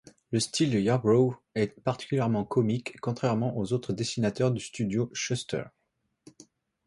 Le style de Yarbrough est particulièrement comique contrairement aux autres dessinateurs du studio Shuster.